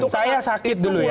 saya sakit dulu ya